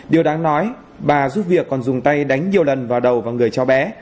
điều đáng nói bà giúp việc còn dùng tay đánh nhiều lần vào đầu và người cháu bé